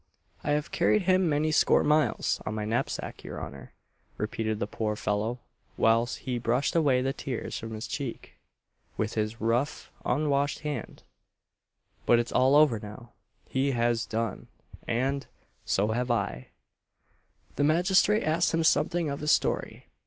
"I have carried him many score miles on my knapsack, your honour," repeated the poor fellow, whilst he brushed away the tears from his cheek with his rough unwashed hand, "but it's all over now! He has done and so have I!" The magistrate asked him something of his story.